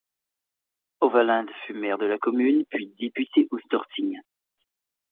Øverland fut maire de la commune puis député au Storting.